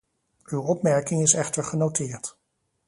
Uw opmerking is echter genoteerd.